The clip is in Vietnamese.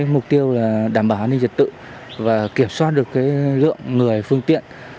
mục tiêu là đảm bảo an ninh trật tự và kiểm soát được lượng người phương tiện